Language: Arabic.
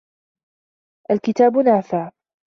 الْكِتَابُ نَافِعٌ.